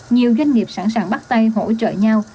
nhiều doanh nghiệp sẵn sàng bắt tay hỗ trợ nhau